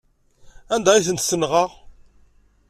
Anda ay tent-tenɣa?